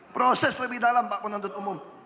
proses lebih dalam pak penuntut umum